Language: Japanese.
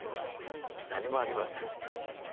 何もありません。